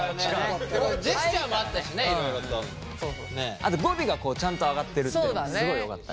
あと語尾がこうちゃんと上がってるっていうのはすごいよかった。